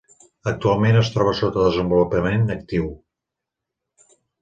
Actualment es troba sota desenvolupament actiu.